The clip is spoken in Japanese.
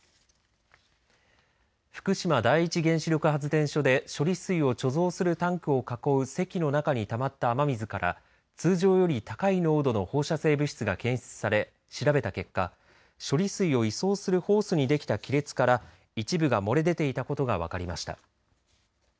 福島第一原子力発電所で処理水を貯蔵するタンクを囲うせきの中にたまった雨水から通常より高い濃度の放射性物質が検出され調べた結果処理水を移送するホースにできた亀裂から一部が漏れ出ていたことが分かりました。